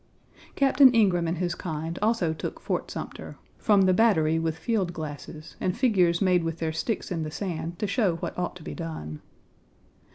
Captain Ingraham and his kind also took Fort Sumter from the Battery with field glasses and figures made with their sticks in the sand to show what ought to be done.